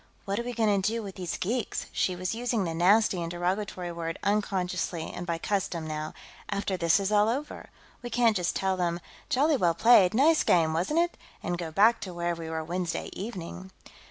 "What are we going to do with these geeks," she was using the nasty and derogatory word unconsciously and by custom, now "after this is all over? We can't just tell them, 'Jolly well played, nice game, wasn't it?' and go back to where we were Wednesday evening."